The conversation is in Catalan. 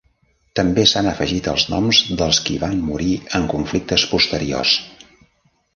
També s'han afegit els noms dels qui van morir en conflictes posteriors.